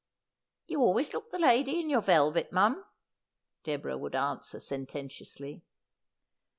' You always look the lady in your velvet, mum,' Deborah would answer sententiously.